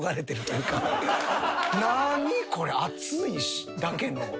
何これ暑いしだけの。